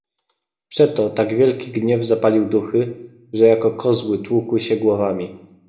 "Przeto tak wielki gniew zapalił duchy, Że jako kozły tłukły się głowami."